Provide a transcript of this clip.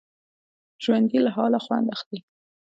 ژوندي له حاله خوند اخلي